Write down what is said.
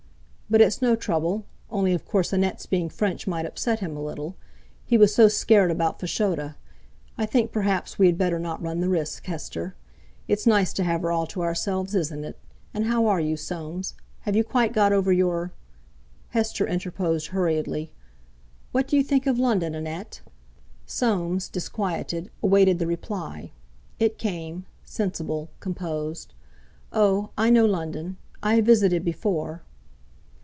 "But it's no trouble, only of course Annette's being French might upset him a little. He was so scared about Fashoda. I think perhaps we had better not run the risk, Hester. It's nice to have her all to ourselves, isn't it? And how are you, Soames? Have you quite got over your...." Hester interposed hurriedly: "What do you think of London, Annette?" Soames, disquieted, awaited the reply. It came, sensible, composed: "Oh! I know London. I have visited before."